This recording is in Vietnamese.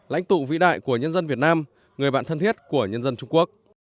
lãnh tụ vĩ đại của nhân dân việt nam người bạn thân thiết của nhân dân trung quốc